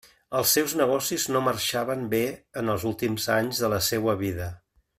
Els seus negocis no marxaven bé en els últims anys de la seua vida.